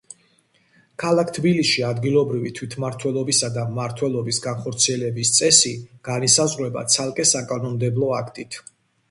ქალაქ თბილისში ადგილობრივი თვითმართველობისა და მმართველობის განხორციელების წესი განისაზღვრება ცალკე საკანონმდებლო აქტით.